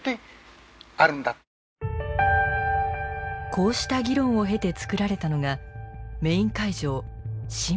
こうした議論を経て作られたのがメイン会場シンボルゾーン。